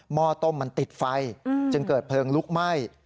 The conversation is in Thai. ห้อต้มมันติดไฟจึงเกิดเพลิงลุกไหม้